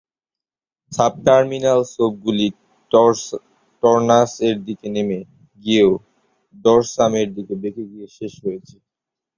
Subterminal ছোপগুলি tornus এর দিকে নেমে গিয়েও ডরসাম এর দিকে বেঁকে গিয়ে শেষ হয়েছে।